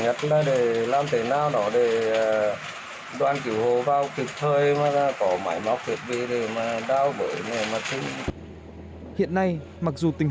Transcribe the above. nhưng không ngăn được những nỗ lực của những người công nhân tìm kiếm những người có mất tích